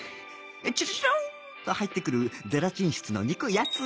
チュルチュルンと入ってくるゼラチン質の憎い奴